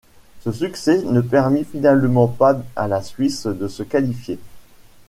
Ce succès ne permet finalement pas à la Suisse de se qualifier.